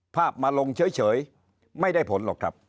ภาพมาลงเฉยไม่ได้ผลหรอกครับ